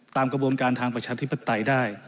ตามกระบวนการทางประชาธิปไตยได้